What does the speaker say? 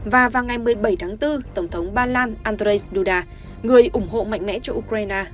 và vào ngày một mươi bảy tháng bốn tổng thống ba lan andrzej duda người ủng hộ mạnh mẽ cho ukraine